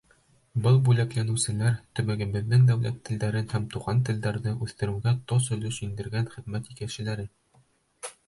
Был бүләкләнеүселәр — төбәгебеҙҙең дәүләт телдәрен һәм туған телдәрҙе үҫтереүгә тос өлөш индергән хеҙмәт кешеләре.